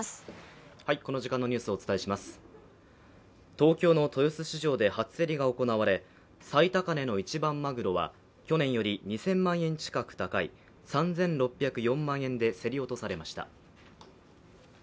東京の豊洲市場で初競りが行われ最高値の一番まぐろは去年より２０００万円近く高い３６０４万円で競り落とされました。